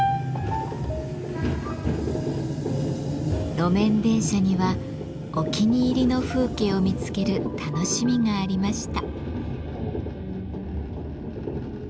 路面電車にはお気に入りの風景を見つける楽しみがありました。